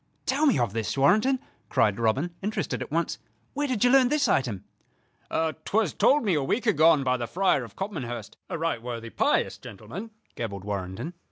"Tell me of this, Warrenton," cried Robin, interested at once. "Where did you learn this item?" "'Twas told to me a week agone by the Friar of Copmanhurst, a right worthy, pious gentleman," gabbled Warrenton.